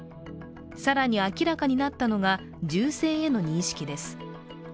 更に明らかとなったのが銃声への認識です。